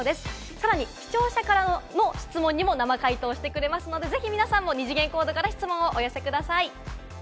さらに視聴者からの質問にも生回答してくれますので、ぜひ皆さんも二次元コードから質問をお寄せください。